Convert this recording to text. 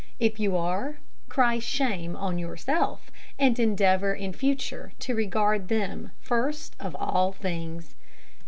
If you are, cry "Shame" on yourself, and endeavour in future to regard them first of all things.